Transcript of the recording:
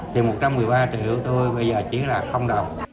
thì một trăm một mươi ba triệu của tôi bây giờ chỉ là đồng